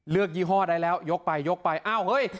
ยี่ห้อได้แล้วยกไปยกไปอ้าวเฮ้ย